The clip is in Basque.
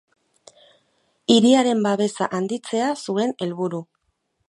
Hiriaren babesa handitzea zuen helburu.